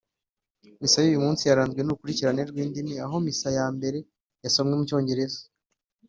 Misa y’uyu munsi yaranzwe n’urukurikirane rw’indimi aho isomo rya mbere ryasomwe mu Cyongereza